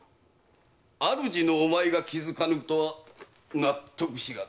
主のお前が気づかぬとは納得しがたい。